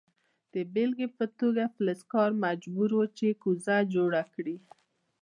د بیلګې په توګه فلزکار مجبور و چې کوزه جوړه کړي.